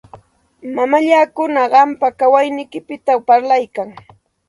Mamallakuna qampa kawayniykipita parlaykanku.